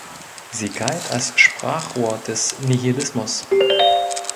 Sie galt als Sprachrohr des Nihilismus.